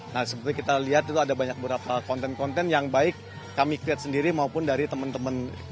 nah seperti kita lihat itu ada banyak beberapa konten konten yang baik kami create sendiri maupun dari teman teman